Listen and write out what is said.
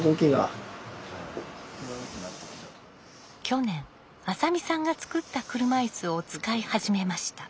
去年浅見さんが作った車いすを使い始めました。